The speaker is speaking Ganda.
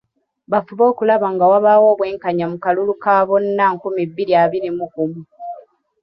Bafube okulaba nga wabaawo obwenkanya mu kalulu ka bonna nkumi bbiri abiri mu gumu.